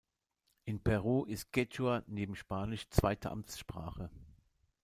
In Peru ist Quechua neben Spanisch zweite Amtssprache.